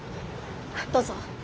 どうぞ。